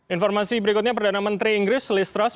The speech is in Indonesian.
informasi berikutnya perdana menteri inggris listras